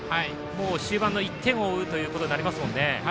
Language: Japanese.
終盤の１点を追うという形になりますね。